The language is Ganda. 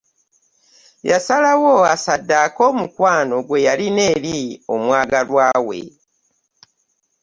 Yasalawo assadaake omukwano gweyalina eri omwagalwa we .